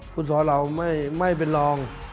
ฟุตศเราไม่เป็นรอง